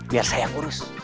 biar saya yang urus